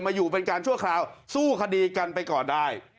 อยู่เป็นการชั่วคราวสู้คดีกันไปก่อนได้